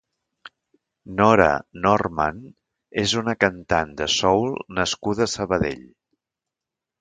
Nora Norman és una cantant de soul nascuda a Sabadell.